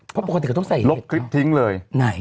เพราะปกติก็ต้องใส่เห็ดไหนอเจมส์ลบคลิปทิ้งเลย